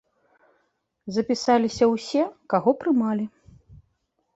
Запісаліся ўсе, каго прымалі.